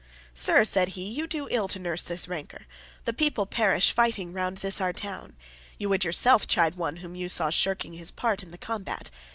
"Sir," said he, "you do ill to nurse this rancour; the people perish fighting round this our town; you would yourself chide one whom you saw shirking his part in the combat.